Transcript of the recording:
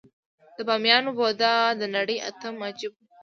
د بامیانو بودا د نړۍ اتم عجایب و